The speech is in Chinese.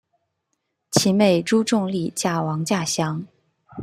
其妹朱仲丽嫁王稼祥。